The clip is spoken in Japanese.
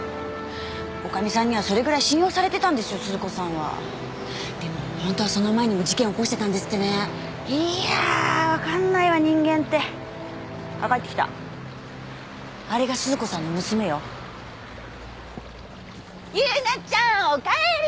女将さんにはそれぐらい信用されてたんですよ鈴子さんはでもほんとはその前にも事件起こしてたんですってねいや分かんないわ人間ってあっ帰ってきたあれが鈴子さんの娘よ優奈ちゃんおかえり！